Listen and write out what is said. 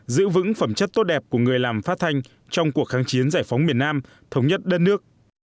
giữ vững phẩm chất tốt đẹp của người làm phát thanh trong cuộc kháng chiến giải phóng miền nam thống nhất đất nước